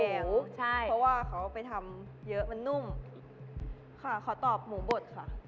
เพราะว่าเขาไปทำเยอะมันนุ่มค่ะเขาตอบหมูบดค่ะ